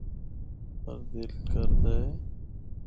پر دل کردا اے۔